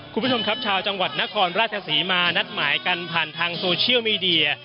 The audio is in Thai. คุณผู้ชมครับชาวจังหวัดนครราชศรีมานัดหมายกันผ่านทางโซเชียลมีเดีย